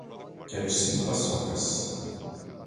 Quero cinco paçocas